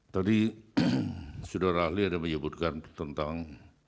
tadi saudara ahli ada menyebutkan tentang